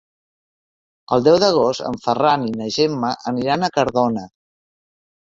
El deu d'agost en Ferran i na Gemma aniran a Cardona.